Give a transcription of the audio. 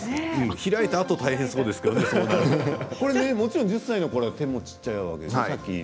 開いたあと大変そうですけどもちろん１０歳のころは手も小さいわけでしょう。